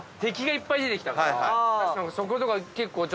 そことか結構。